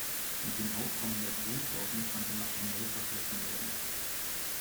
Mit dem Aufkommen der Kronkorken konnte maschinell verschlossen werden.